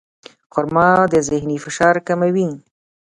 خرما د ذهني فشار کموي.